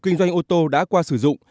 kinh doanh ô tô đã qua sử dụng